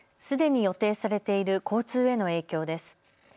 すでに予定されている交通への影響です。